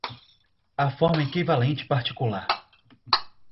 A forma-equivalente particular